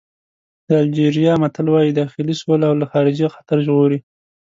د الجېریا متل وایي داخلي سوله له خارجي خطر ژغوري.